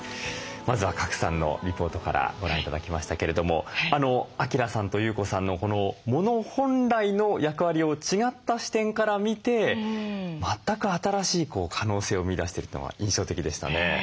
まずは賀来さんのリポートからご覧頂きましたけれども晃さんと優子さんのもの本来の役割を違った視点から見て全く新しい可能性を見いだしてるというのが印象的でしたね。